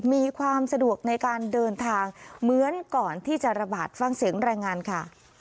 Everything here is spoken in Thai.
มีความสะดวกในการเดินทางเหมือนก่อนที่จะระบาดฟังเสียงรายงานค่ะ